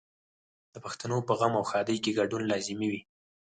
د پښتنو په غم او ښادۍ کې ګډون لازمي وي.